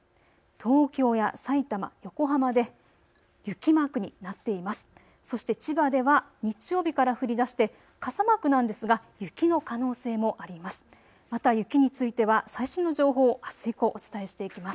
東京やさいたま、横浜で雪マークになっています。